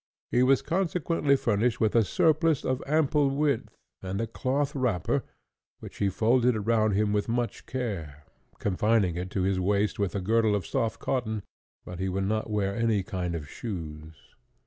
He was consequently furnished with a surplice of ample width, and a cloth wrapper, which he folded around him with much care, confining it to his waist with a girdle of soft cotton, but he would not wear any kind of shoes.